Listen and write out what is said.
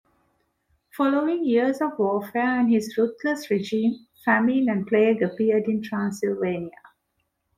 Following years of warfare and his ruthless regime, famine and plague appeared in Transylvania.